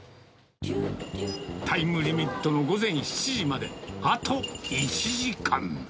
タイムリミットの午前７時まで、あと１時間。